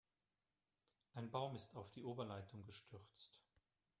Ein Baum ist auf die Oberleitung gestürzt.